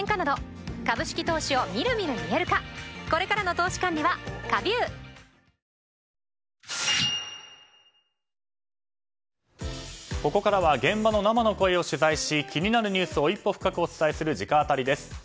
村井容疑者はここからは現場の生の声を取材し気になるニュースを一歩深くお伝えする直アタリです。